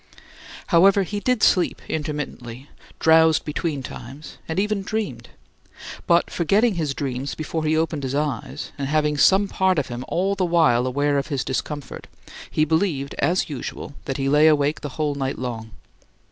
However, he did sleep intermittently, drowsed between times, and even dreamed; but, forgetting his dreams before he opened his eyes, and having some part of him all the while aware of his discomfort, he believed, as usual, that he lay awake the whole night long.